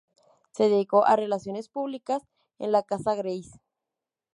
Se dedicó a Relaciones Públicas en la Casa Grace.